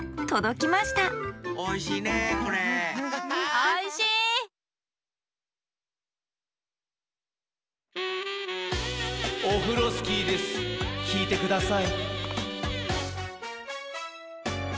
きいてください。